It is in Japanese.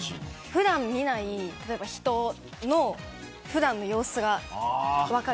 普段は見ない人の普段の様子が分かる。